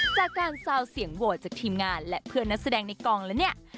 ซาวเสียงโหวตจากทีมงานและเพื่อนนักแสดงในกองแล้วเนี่ย